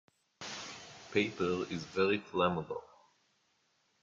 Paper is very flammable.